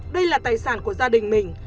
đây là tài sản của gia đình mình